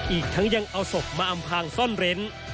อีกทั้งยังเอาศพมาอำพางซ่อนเร้น